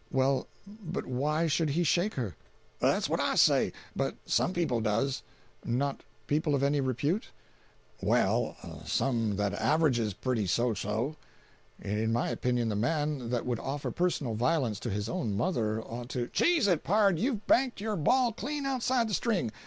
"Well, but why should he shake her?" "That's what I say—but some people does." "Not people of any repute?" "Well, some that averages pretty so so." "In my opinion the man that would offer personal violence to his own mother, ought to—" "Cheese it, pard; you've banked your ball clean outside the string.